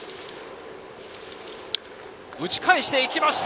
打ち返していきました。